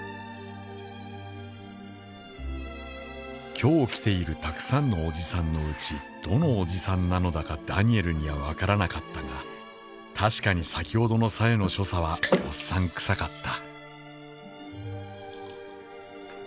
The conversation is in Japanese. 「今日来ているたくさんのおじさんのうちどのおじさんなのだかダニエルにはわからなかったが、たしかに先ほどの紗重の所作はおっさんくさかった」。